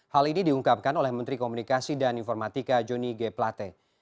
hal ini diungkapkan oleh menteri komunikasi dan informatika joni g plate